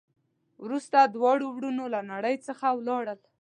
وروسته دواړه ورونه له نړۍ څخه ولاړل.